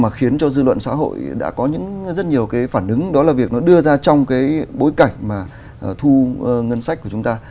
mà khiến cho dư luận xã hội đã có những rất nhiều cái phản ứng đó là việc nó đưa ra trong cái bối cảnh mà thu ngân sách của chúng ta